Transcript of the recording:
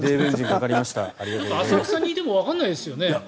浅草にいてもわからないですよね。